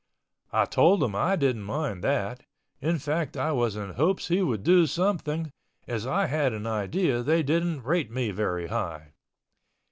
I told him I didn't mind that; in fact I was in hopes he would do something, as I had an idea they didn't rate me very high.